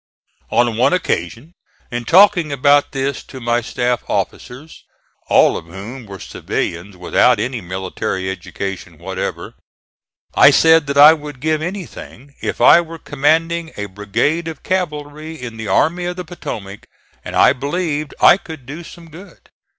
On one occasion, in talking about this to my staff officers, all of whom were civilians without any military education whatever, I said that I would give anything if I were commanding a brigade of cavalry in the Army of the Potomac and I believed I could do some good.